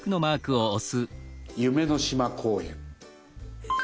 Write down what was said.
夢の島公園。